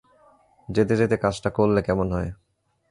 যেতে যেতে কাজটা করলে কেমন হয়?